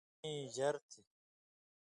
مِیں زَر تھی۔